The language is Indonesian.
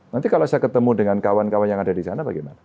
nanti kalau saya ketemu dengan kawan kawan yang ada di sana bagaimana